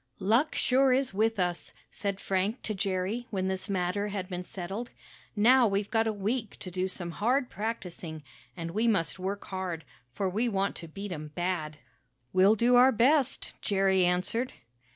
"Luck sure is with us," said Frank to Jerry when this matter had been settled. "Now we've got a week to do some hard practicing, and we must work hard, for we want to beat 'em bad." "We'll do our best," Jerry answered.